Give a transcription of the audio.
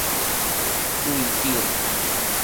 類定